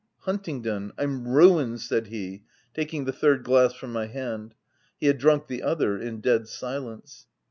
"' Huntingdon, I'm ruined !' said he, taking the third glass from my hand — he had drunk the other in dead silence.